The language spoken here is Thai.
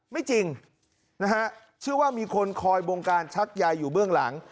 ไม่จริงนะฮะเชื่อว่ามีคนคอยบงการชักยายอยู่เบื้องหลัง